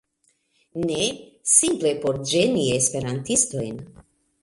Ne, simple por ĝeni esperantistojn